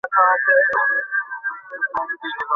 ঋণের কিস্তি পরিশোধ হওয়ার পর কর্মকর্তা গাড়ির মালিক হয়ে যাবেন।